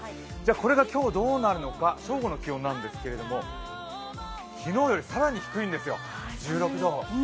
これが今日どうなるのか正午の気温なんですけれども昨日より更に低いんですよ、１６度。